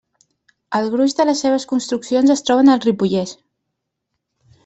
El gruix de les seves construccions es troben al Ripollès.